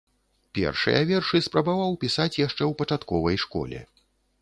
Першыя вершы спрабаваў пісаць яшчэ ў пачатковай школе.